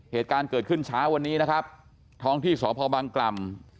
เหตุการณ์เกิดขึ้นเช้าวันนี้นะครับท้องที่สพบังกล่ำ